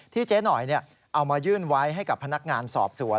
เจ๊หน่อยเอามายื่นไว้ให้กับพนักงานสอบสวน